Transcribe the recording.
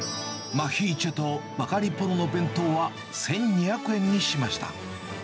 マヒーチェとバガリポロの弁当は１２００円にしました。